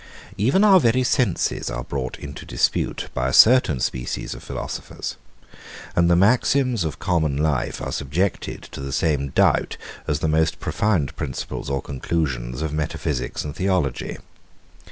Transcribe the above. Even our very senses are brought into dispute, by a certain species of philosophers; and the maxims of common life are subjected to the same doubt as the most profound principles or conclusions of metaphysics and theology.